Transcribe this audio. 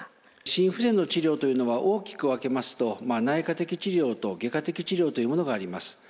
心不全の治療というのは大きく分けますと内科的治療と外科的治療というものがあります。